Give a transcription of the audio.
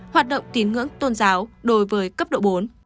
hoạt động tín ngưỡng tôn giáo đối với cấp độ bốn